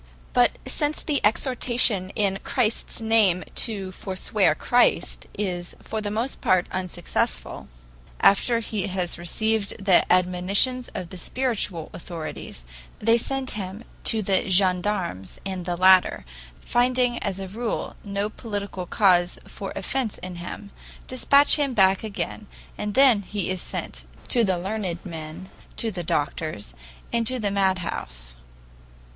But since the exhortation in Christ's name to forswear Christ is for the most part unsuccessful, after he has received the admonitions of the spiritual authorities, they send him to the gendarmes, and the latter, finding, as a rule, no political cause for offense in him, dispatch him back again, and then he is sent to the learned men, to the doctors, and to the madhouse.